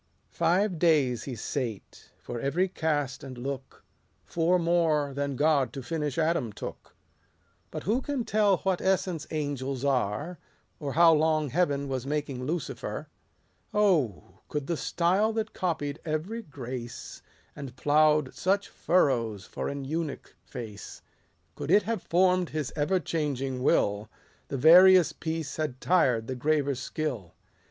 Five days he sate, for every cast and look — Four more than God to finish Adam took. But who can tell what essence angels are, 20 Or how long Heaven was making Lucifer % Oh, could the style that copied every grace, And plough'd such furrows for an eunuch face, Could it have form'd his ever changing will, The various piece had tired the graver's skill